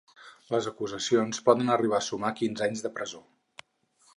Les acusacions poden arribar a sumar quinze anys de presó.